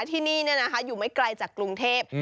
ที่นี่อยู่ไม่ไกลจากกรุงเทพ